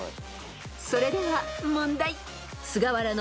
［それでは問題］